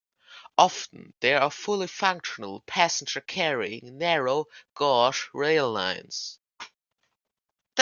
Often they are fully functional, passenger-carrying narrow gauge rail lines.